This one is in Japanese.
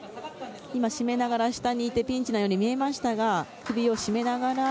絞めながら下にいてピンチに見えましたが首をしめながら。